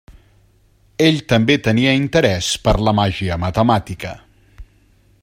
Ell també tenia interès per la màgia matemàtica.